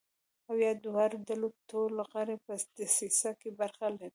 او یا د دواړو ډلو ټول غړي په دسیسه کې برخه لري.